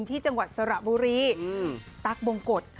จังหวัดสระบุรีตั๊กบงกฎ